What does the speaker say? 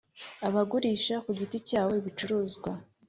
abagurisha ku giti cyabo ibicuruzwa